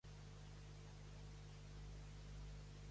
Saps, teníem alguna cosa, va finalitzar i ella va passar a millor vida.